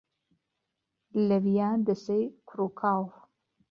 لەویا دەسەی کوڕ و کاڵ